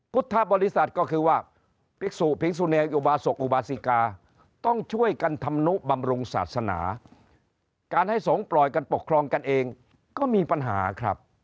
พุทธบริษัทก็คือว่าต้องช่วยกันทำนุบำรุงศาสนาการให้สงฆ์ปล่อยกันปกครองกันเองก็มีปัญหาครับ